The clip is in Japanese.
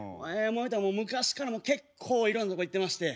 昔から結構いろんな所行ってまして。